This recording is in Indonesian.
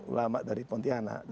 ulama dari pontianak